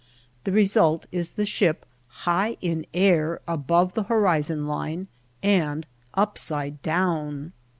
The result is the ship high in air above the horizon line and upside down.